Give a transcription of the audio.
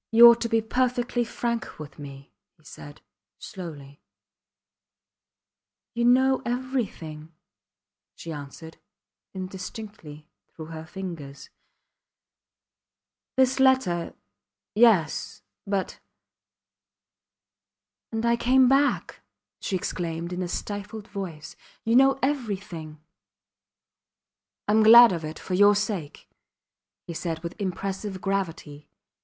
You ought to be perfectly frank with me, he said, slowly. You know everything, she answered, indistinctly, through her fingers. This letter. ... Yes ... but ... And I came back, she exclaimed in a stifled voice; you know everything. I am glad of it for your sake, he said with impressive gravity.